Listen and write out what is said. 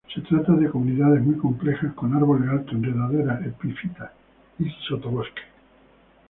Se trata de comunidades muy complejas, con árboles altos, enredaderas, epífitas y sotobosque.